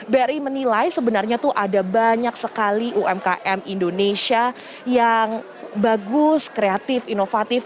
bri menilai sebenarnya tuh ada banyak sekali umkm indonesia yang bagus kreatif inovatif